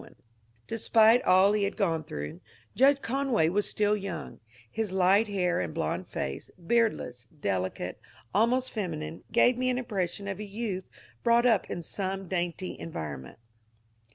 JUDGE CONWAY 367 Despite all he had gone through, Judge Conway was still young ; his light hair and blond face, beardless, delicate, al most feminine, gave me an impression of a youth brought up in some dainty environment.